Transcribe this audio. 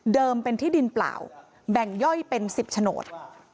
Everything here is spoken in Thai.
เป็นที่ดินเปล่าแบ่งย่อยเป็น๑๐โฉนด